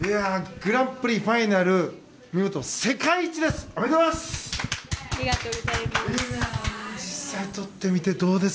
グランプリファイナル見事、世界一です！